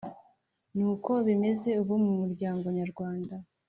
Nu ko bimeze ubu mu muryango nyarwanda.